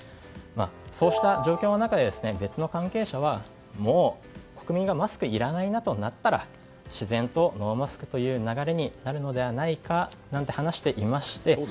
そうした状況の中で別の関係者はもう、国民がマスクがいらないなとなったら自然とノーマスクという流れになるのではないかなんて話していまして。